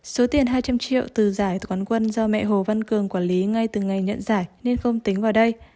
số tiền hai trăm linh triệu từ giải từ quán quân do mẹ hồ văn cường quản lý ngay từ ngày nhận giải nên không tính vào đây